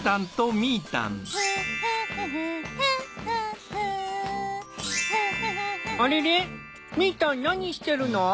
みーたん何してるの？